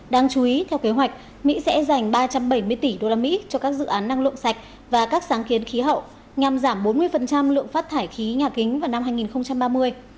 đáng chú ý theo kế hoạch mỹ sẽ dành ba trăm bảy mươi tỷ usd cho các dự án năng lượng sạch và các sáng kiến khí hậu nhằm giảm bốn mươi lượng phát thải khí nhà kính vào năm hai nghìn ba mươi